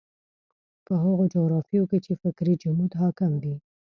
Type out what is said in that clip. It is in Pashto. په هغو جغرافیو کې چې فکري جمود حاکم وي.